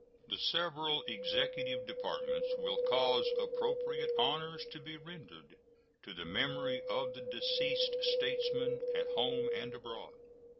The several Executive Departments will cause appropriate honors to be rendered to the memory of the deceased statesman at home and abroad.